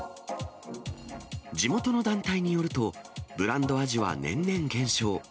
地元の団体によると、ブランドアジは年々減少。